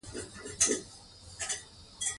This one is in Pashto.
د انترنيوز لخوا هم راډيو گانې جوړې او خپرونې كوي.